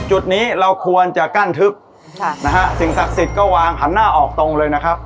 จุดนี้เราควรจะกั้นทึบค่ะนะฮะสิ่งศักดิ์สิทธิ์ก็วางหันหน้าออกตรงเลยนะครับ